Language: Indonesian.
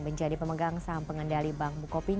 menjadi pemegang saham pengendali bank bukopin